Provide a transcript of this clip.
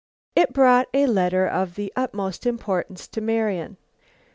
It brought a letter of the utmost importance to Marian.